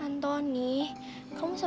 jangan jadi orang lain akan tengok mah